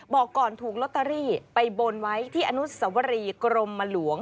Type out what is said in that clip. บอกก่อนถูกลอตเตอรี่ไปบนไว้ที่อนุสวรีกรมหลวง